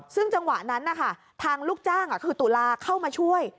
ซึ่งจังหวะนั้นนะคะทางลูกจ้างคือตุลาเข้ามาช่วย